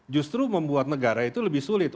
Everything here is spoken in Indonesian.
justru membuat negara itu lebih sulit